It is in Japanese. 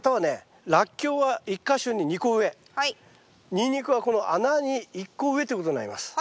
ニンニクはこの穴に１個植えということになります。